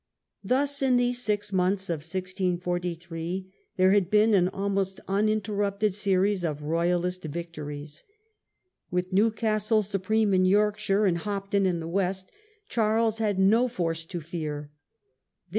Thus in these six months of 1643 there had been an almost uninterrupted series of Royalist victories. With Newcastle supreme in Yorkshire and Hopton The crisis, in the West Charles had no force to fear. This August. 1643.